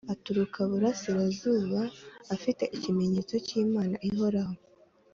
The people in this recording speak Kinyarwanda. aturuka burasirazuba afite ikimenyetso cy Imana ihoraho